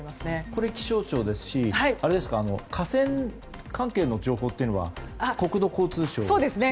これは気象庁ですし河川関係の情報というのは国土交通省ですよね？